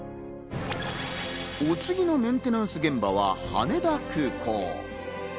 お次のメンテナンス現場は羽田空港。